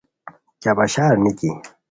کیہ بشار نیکی